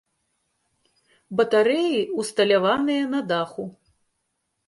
Батарэі ўсталяваныя на даху.